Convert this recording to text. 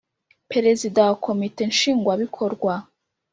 Perezida wa Komite Nshingwabikorwa